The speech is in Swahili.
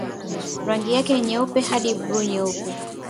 Rangi yake ni nyeupe hadi buluu-nyeupe.